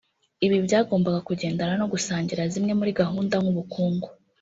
Ibi byagombaga kugendana no gusangira zimwe muri gahunda nk’ubukungu